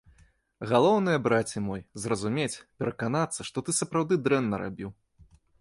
Галоўнае, браце мой, зразумець, пераканацца, што ты сапраўды дрэнна рабіў.